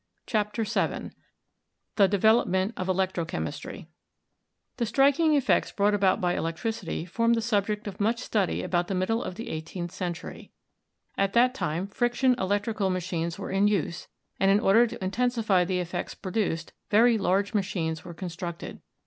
CHAPTER VII THE DEVELOPMENT OF ELECTRO CHEMISTRY The striking effects brought about by electricity formed the subject of much study about the middle of the eight eenth century. At that time friction electrical machines were in use, and in order to intensify the effects produced, very large machines were constructed.